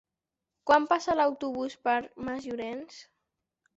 Quan passa l'autobús per Masllorenç?